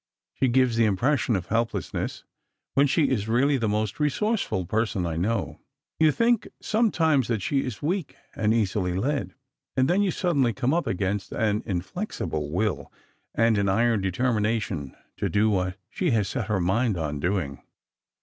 She gives the impression of helplessness when she is really the most resourceful person I know. You think sometimes that she is weak and easily led, and then you suddenly come up against an inflexible will and an iron determination to do what she has set her mind on doing.